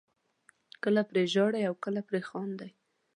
کله پرې ژاړئ او کله پرې خاندئ.